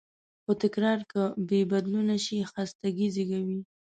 خو تکرار که بېبدلونه شي، خستګي زېږوي.